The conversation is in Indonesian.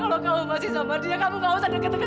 sampai jumpa di video selanjutnya